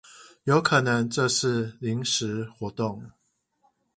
有可能這是臨時活動